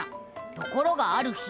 ところがある日。